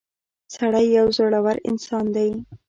• سړی یو زړور انسان دی.